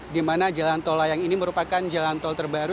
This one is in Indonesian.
dimana jalan tol layang ini merupakan jalan tol terbaru